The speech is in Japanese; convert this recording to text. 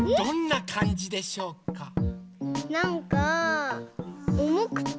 なんかおもくて。